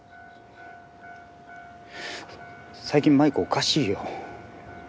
最近麻衣子おかしいよ。